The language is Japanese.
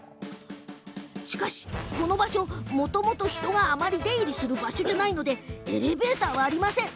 けれど、この場所もともと人があまり出入りする場所じゃないのでエレベーターはありません。